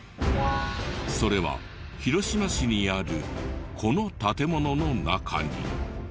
それは広島市にあるこの建物の中に。